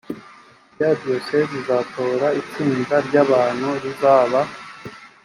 ya diyoseze izatora itsinda ry abantu rizaba